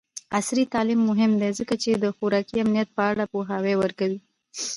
عصري تعلیم مهم دی ځکه چې د خوراکي امنیت په اړه پوهاوی ورکوي.